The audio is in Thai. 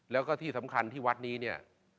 แล้วก็ที่สำคัญที่วัดนี้